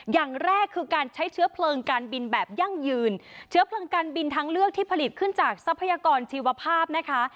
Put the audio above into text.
อย่างแรกคือการใช้เชื้อเพลิงการบินแบบยั่งยืนเชื้อเพลิงการบินทางเลือกที่ผลิตขึ้นจากทรัพยากรชีวภาพนะคะ